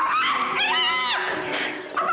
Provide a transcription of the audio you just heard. apa bahasa kamu